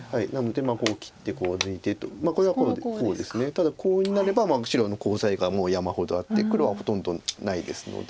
ただコウになれば白のコウ材がもう山ほどあって黒はほとんどないですので。